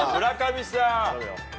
村上さん。